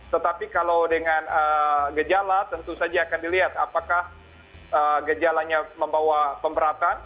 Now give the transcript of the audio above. tetapi kalau dengan gejala tentu saja akan dilihat apakah gejalanya membawa pemberatan